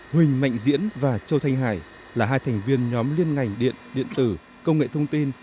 huỳnh mạnh diễn và châu thanh hải là hai thành viên nhóm liên ngành điện điện tử công nghệ thông tin